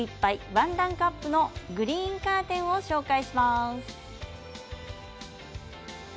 ワンランクアップのグリーンカーテンを紹介します。